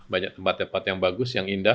banyak tempat tempat yang bagus yang indah